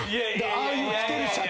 ああいう着てるシャツ。